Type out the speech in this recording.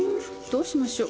どうしましょ。